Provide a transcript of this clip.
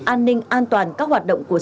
an ninh an toàn các hoạt động của